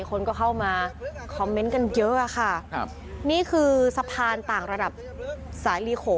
คนก็เข้ามาคอมเมนต์กันเยอะอะค่ะครับนี่คือสะพานต่างระดับสายลีโข